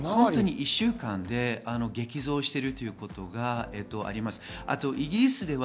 １週間で激増しているということがあります。